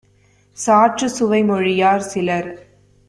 சாற்றுச் சுவைமொழியார் - சிலர்